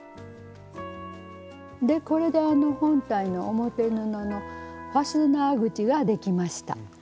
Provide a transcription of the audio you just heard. でこれで本体の表布のファスナー口ができました。